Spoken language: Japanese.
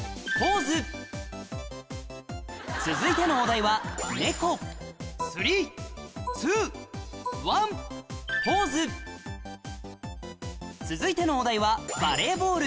続いてのお題は続いてのお題はうわシュール。